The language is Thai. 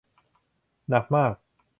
หนักมาก